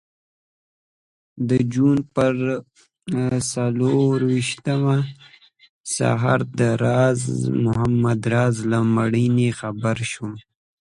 د جون پر څلرویشتمه سهار د راز محمد راز له مړینې خبر شوم.